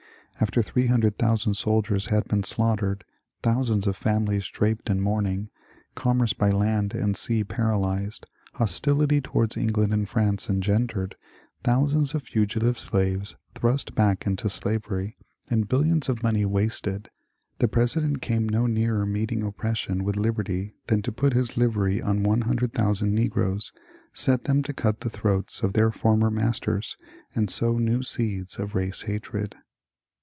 After 300,000 soldiers had been slaughtered, thousands of families draped in mourning, commerce by land and sea par alyzed, hostility towards England and France engendered, thousands of fugitive slaves thrust back into slavery, and billions of money wasted, the President came no nearer meeting oppression with liberty than to put his livery on 100,000 negroes, set them to cut the throats of their former masters, and sow new seeds of race hatred.